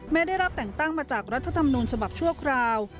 ได้รับแต่งตั้งมาจากรัฐธรรมนูญฉบับชั่วคราว